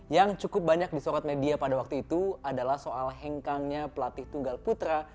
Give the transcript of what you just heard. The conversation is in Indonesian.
yang cukup banyak disorot media pada waktu itu adalah soal hengkangnya pelatih tunggal putra